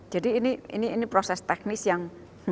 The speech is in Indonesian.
jadi ini proses teknis yang